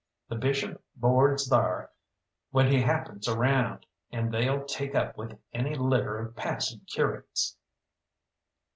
The bishop boards thar when he happens around, and they'll take up with any litter of passing curates."